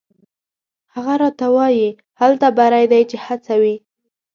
هغه راته وایي: «هلته بری دی چې هڅه وي».